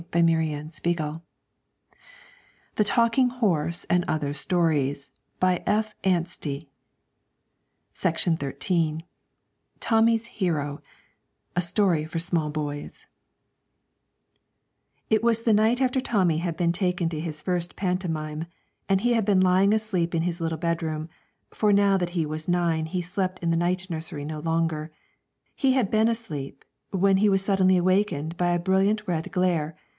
As for the man, he goes on his way until he finds a door which alas! is not closed against him. TOMMY'S HERO A STORY FOR SMALL BOYS It was the night after Tommy had been taken to his first pantomime, and he had been lying asleep in his little bedroom (for now that he was nine he slept in the night nursery no longer); he had been asleep, when he was suddenly awakened by a brilliant red glare.